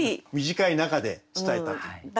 短い中で伝えたという。